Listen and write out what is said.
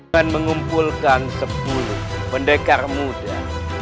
dan mengumpulkan sepuluh pendekar muda